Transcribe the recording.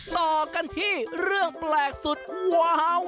ต่อกันที่เรื่องแปลกสุดว้าว